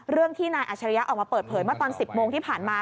เรื่องที่นายอัชริยะออกมาเปิดเผยเมื่อตอน๑๐โมงที่ผ่านมา